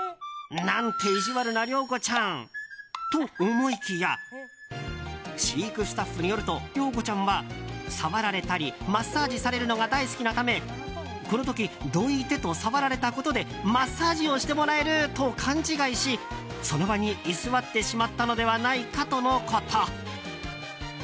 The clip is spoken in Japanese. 何て意地悪なりょうこちゃんと思いきや飼育スタッフによるとりょうこちゃんは触られたりマッサージされるのが大好きなためこの時、どいてと触られたことでマッサージをしてもらえると勘違いしその場に居座ってしまったのではないかとのこと。